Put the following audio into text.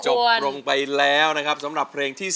จบลงไปแล้วนะครับสำหรับเพลงที่๓